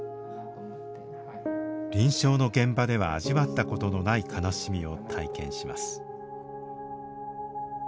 臨床の現場では味わったことのない悲しみを体験します。